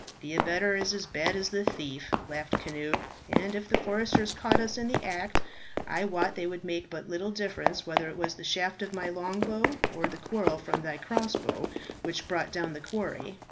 "The abettor is as bad as the thief," laughed Cnut, "and if the foresters caught us in the act, I wot they would make but little difference whether it was the shaft of my longbow or the quarrel from thy crossbow which brought down the quarry.